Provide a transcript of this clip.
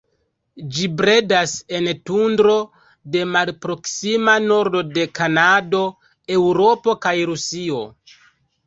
Ĝi bredas en tundro de malproksima nordo de Kanado, Eŭropo kaj Rusio.